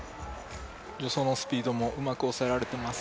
助走のスピードもうまく抑えられています。